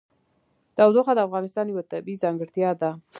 تودوخه د افغانستان یوه طبیعي ځانګړتیا ده.